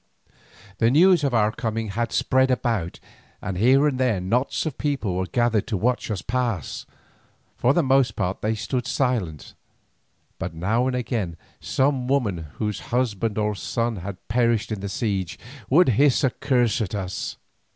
The news of our coming had spread about, and here and there knots of people were gathered to watch us pass. For the most part they stood silent, but now and again some woman whose husband or son had perished in the siege, would hiss a curse at us.